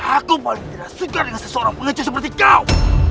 aku paling tidak suka dengan seseorang mengecu seperti kau